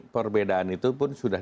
perbedaan itu pun sudah